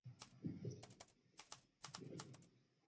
鼎好电子商城是北京市海淀区中关村的一座大型电子市场。